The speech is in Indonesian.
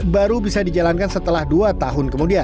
baru bisa dijalankan setelah dua tahun kemudian